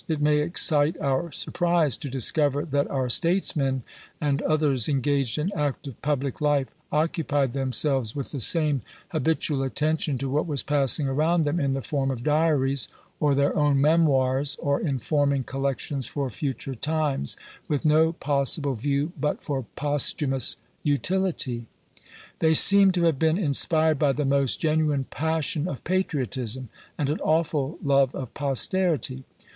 It may excite our surprise to discover that our statesmen, and others engaged in active public life, occupied themselves with the same habitual attention to what was passing around them in the form of diaries, or their own memoirs, or in forming collections for future times, with no possible view but for posthumous utility. They seem to have been inspired by the most genuine passion of patriotism, and an awful love of posterity.